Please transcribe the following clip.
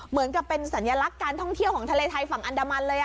เหมือนกับเป็นสัญลักษณ์การท่องเที่ยวของทะเลไทยฝั่งอันดามันเลย